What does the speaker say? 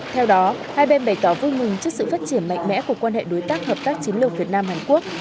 theo đó hai bên bày tỏ vui mừng trước sự phát triển mạnh mẽ của quan hệ đối tác hợp tác chiến lược việt nam hàn quốc